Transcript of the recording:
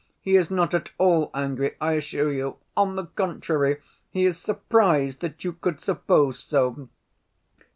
He is not at all angry, I assure you; on the contrary, he is surprised that you could suppose so."